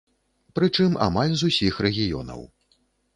Прычым, амаль з усіх рэгіёнаў.